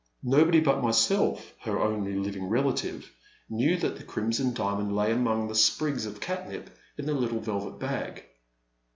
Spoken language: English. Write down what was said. No body but myself, her only living relative, knew that the Crimson Diamond lay among the sprigs of catnip in the little velvet bag.